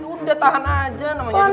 udah tahan aja namanya juga diobatin